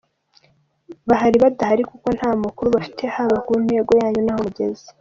Bahari badahari kuko nta makuru bafite haba ku ntego yanyu n’aho mugeze.